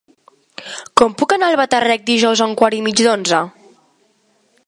Com puc anar a Albatàrrec dijous a un quart i mig d'onze?